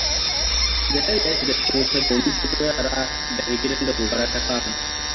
Jalal ya shiga cikin wuta domin ceto yara daga gidan da gobara ta kama.